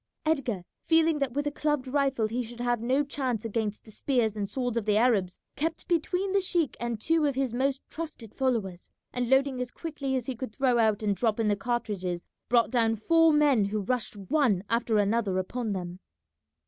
Edgar, feeling that with a clubbed rifle he should have no chance against the spears and swords of the Arabs, kept between the sheik and two of his most trusted followers, and loading as quickly as he could throw out and drop in the cartridges, brought down four men who rushed one after another upon them.